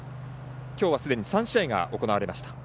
きょうはすでに３試合が行われました。